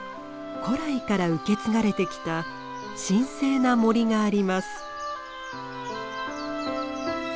古来から受け継がれてきた神聖な森があります。